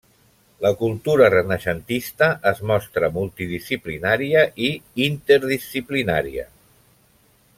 La cultura renaixentista es mostra multidisciplinària i interdisciplinària.